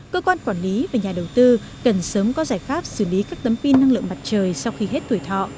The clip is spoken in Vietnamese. cơ quan quản lý và nhà đầu tư cần sớm có giải pháp xử lý các tấm pin năng lượng mặt trời sau khi hết tuổi thọ